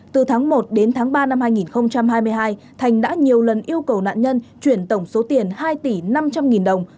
từ tháng một đến tháng ba năm hai nghìn hai mươi hai thành đã nhiều lần yêu cầu nạn nhân chuyển tổng số tiền hai tỷ năm trăm linh nghìn đồng